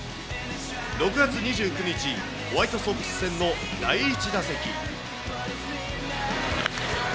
６月２９日、ホワイトソックス戦の第１打席。